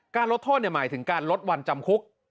ลดโทษหมายถึงการลดวันจำคุก